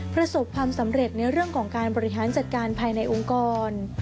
ประสบความสำเร็จในเรื่องของการบริหารจัดการภายในองค์กร